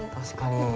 確かに。